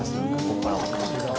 ここから。